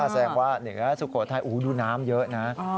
แสดงว่าเหนือสุโขทัยดูน้ำเยอะนะ